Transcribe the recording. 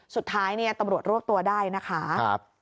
สุดท้ายตำรวจรวกตัวได้นะคะ